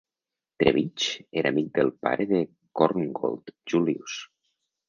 Trebitsch era amic del pare de Korngold, Julius.